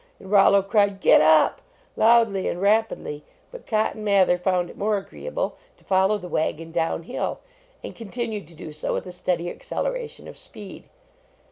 and Rollo cried, "Get up!" loudly and rapidly, but Cotton Mather found it more agreeable to follow the wagon down hill, and continued so to do with a steady acceleration of speed.